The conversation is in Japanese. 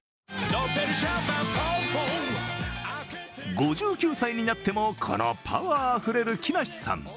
５９歳になっても、このパワーあふれる木梨さん。